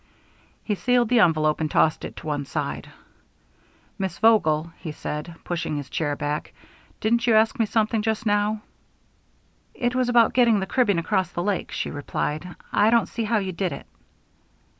He sealed the envelope and tossed it to one side. "Miss Vogel," he said, pushing his chair back, "didn't you ask me something just now?" "It was about getting the cribbing across the lake," she replied. "I don't see how you did it."